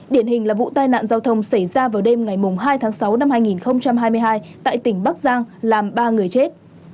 điển hình là vụ tai nạn giao thông xảy ra vào đêm ngày hai tháng sáu năm hai nghìn hai mươi hai tại tỉnh bắc giang làm ba người chết